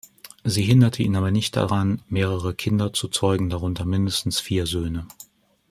Sie hinderte ihn aber nicht daran, mehrere Kinder zu zeugen, darunter mindestens vier Söhne.